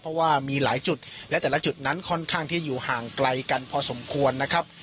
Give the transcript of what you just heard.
เพราะว่ามีหลายจุดและแต่ละจุดนั้นค่อนข้างที่อยู่ห่างไกลกันพอสมควรนะครับ